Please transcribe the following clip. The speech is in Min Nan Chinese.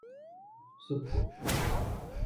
捽棍